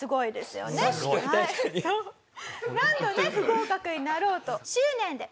何度ね不合格になろうと執念で。